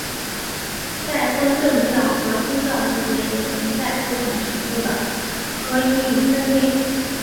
在东正教和新教之间也存在不同程度的合一与分裂。